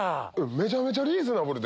めちゃめちゃリーズナブル。